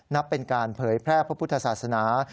นับเป็นการเผยแพร่พระพุทธศาสนา